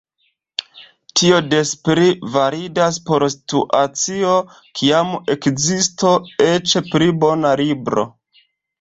Tio des pli validas por situacio kiam ekzistos eĉ pli bona libro.